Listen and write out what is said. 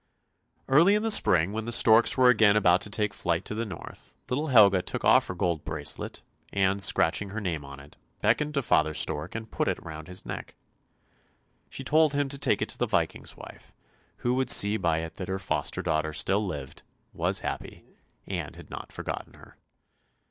" Early in the spring, when the storks were again about to take flight to the north, little Helga took off her gold bracelet, and, scratching her name on it, beckoned to father stork and put it round his neck. She told him to take it to the Viking's wife, who would see by it that her foster daughter still lived, was happy, and had not forgotten her.